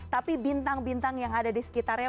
tapi bintang bintang yang ada di sekitarnya